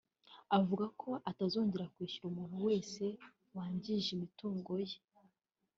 avuga ko atazongera kwishyuza umuntu wese wangije imitungo ye